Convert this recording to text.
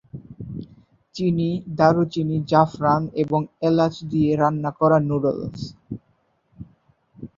চিনি, দারুচিনি, জাফরান এবং এলাচ দিয়ে রান্না করা নুডলস।